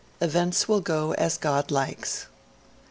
Events will go as God likes.'